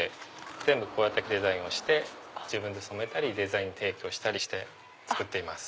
全部こうやってデザインをして自分で染めたりデザイン提供したりして作っています。